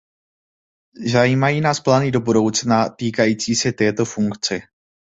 Zajímají nás plány do budoucna, týkající se této funkce.